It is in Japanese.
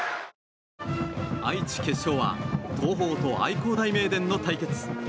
愛知決勝は東邦と愛工大名電の対決。